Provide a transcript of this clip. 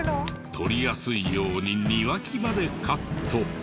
撮りやすいように庭木までカット。